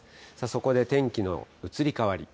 そこで天気の移り変わり。